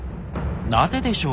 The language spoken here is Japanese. なぜでしょう？